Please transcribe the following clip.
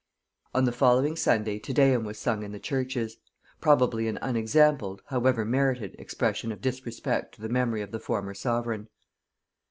On the following Sunday Te Deum was sung in the churches; probably an unexampled, however merited, expression of disrespect to the memory of the former sovereign.